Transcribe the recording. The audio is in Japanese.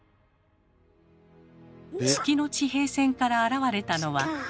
月の地平線から現れたのは地球。